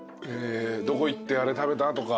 どこ行ってあれ食べたとか。